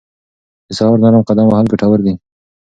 د سهار نرم قدم وهل ګټور دي.